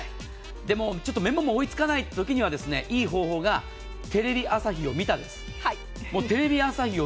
でも、メモも追いつかない時にはいい方法がテレビ朝日を見たです。